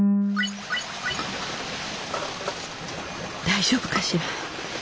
大丈夫かしら。